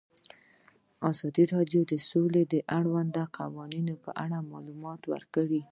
ازادي راډیو د سوله د اړونده قوانینو په اړه معلومات ورکړي.